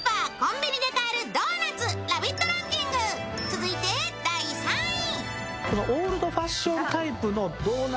続いて第３位。